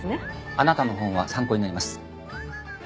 あなたの本は参考になります。